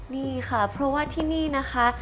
นี่ค่ะเพราะว่าที่นี่นะคะ